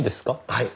はい。